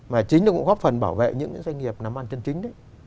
mà chính nó cũng góp phần bảo vệ những doanh nghiệp nắm ăn chân chính đấy